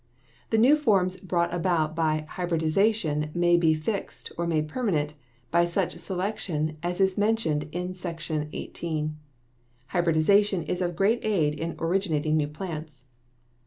The new forms brought about by hybridization may be fixed, or made permanent, by such selection as is mentioned in Section XVIII. Hybridization is of great aid in originating new plants.